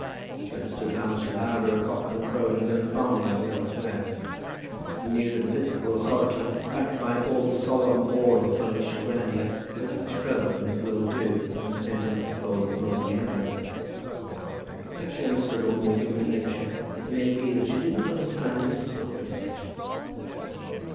She understood how much louder a cock can crow in its own farmyard than elsewhere, and knew that episcopal authority, backed by all the solemn awe of palatial grandeur, goes much further than it will do when sent under the folds of an ordinary envelope. But though she understood ordinary human nature, it may be that she did not understand Mr. Crawley's nature.